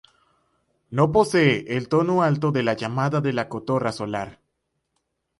No posee el tono alto de la llamada de la cotorra solar.